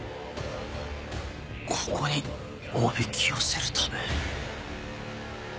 ここにおびき寄せるため？